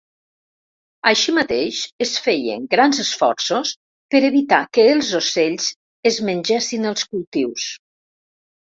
Així mateix, es feien grans esforços per evitar que els ocells es mengessin els cultius.